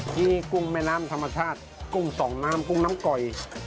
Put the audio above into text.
ที่กุ้งแม่น้ำธรรมชาติกุ้งส่องน้ำกุ้งน้ำก่อย